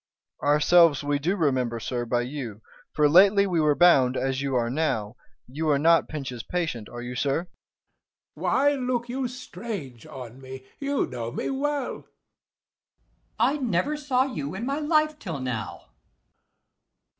_ Ourselves we do remember, sir, by you; For lately we were bound, as you are now. You are not Pinch's patient, are you, sir? Æge. Why look you strange on me? you know me well. 295 Ant. E. I never saw you in my life till now.